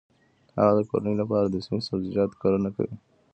هغه د کورنۍ لپاره د صحي سبزیجاتو کرنه کوي.